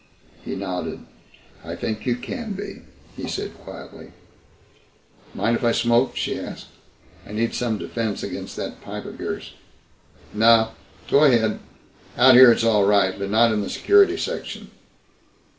He nodded. "I think you can be," he said quietly. "Mind if I smoke?" she asked. "I need some defense against that pipe of yours." "No go ahead. Out here it's all right, but not in the security section."